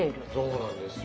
そうなんですよ。